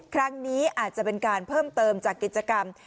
ครั้งนี้อาจจะเป็นการเพิ่มเติมจากกิจกรรม